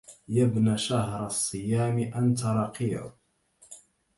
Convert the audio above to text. يا ابن شهر الصيام أنت رقيع